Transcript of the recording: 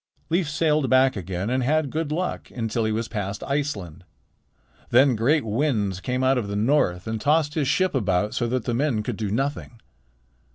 Leif sailed back again and had good luck until he was past Iceland. Then great winds came out of the north and tossed his ship about so that the men could do nothing.